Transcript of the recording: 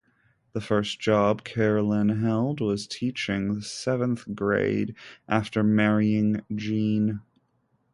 The first job Carolyn held was teaching the seventh grade after marrying Gene.